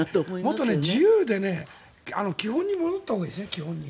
もっと自由で基本に戻ったほうがいいですね。